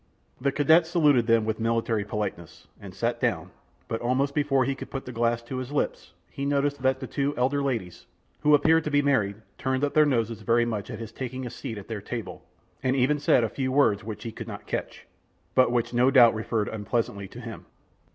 The cadet saluted them with military politeness, and sat down, but almost before he could put the glass to his lips, he noticed that the two elder ladies, who appeared to be married, turned up their noses very much at his taking a seat at their table, and even said a few words which he could not catch, but which no doubt referred unpleasantly to him.